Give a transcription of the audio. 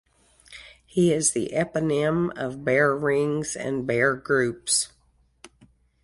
He is the eponym of Baer rings and Baer groups.